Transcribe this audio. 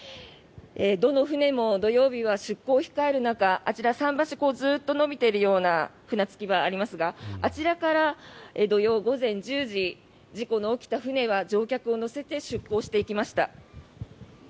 どの船も土曜日は出航を控える中あちら、桟橋がずっと延びているような船着き場がありますがあちらから土曜午前１０時事故の起きた船は乗客を乗せて出航していきました。